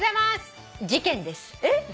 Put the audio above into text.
事件です」